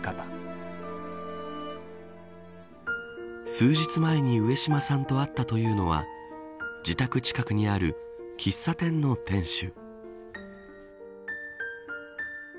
数日前に上島さんと会ったというのは自宅近くにある喫茶店の店主。